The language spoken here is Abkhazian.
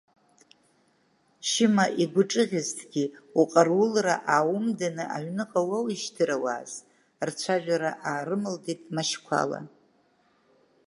Шьыма игәы ҿыӷьызҭгьы уҟарулра ааумданы аҩныҟа уауишьҭырауаз, рцәажәара аарымылдеит Машьқәала.